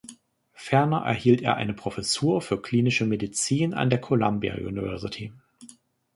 Ferner erhielt er eine Professur für klinische Medizin an der Columbia University.